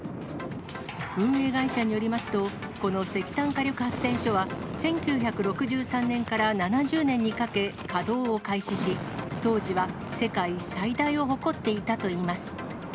運営会社によりますと、この石炭火力発電所は、１９６３年から７０年にかけ、稼働を開始し、当時は世界最大を誇っていたといいます。